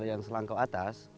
yang selangkau atas